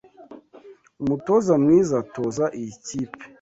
Umutoza mwiza atoza iyi kipe.